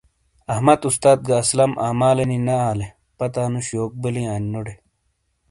احمد استاس گہ اسلم اعمالے نی نے آلا لے پتا نوش یوک بلیں آنینو ٹے ۔